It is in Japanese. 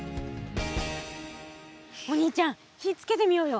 お兄ちゃん火つけてみようよ。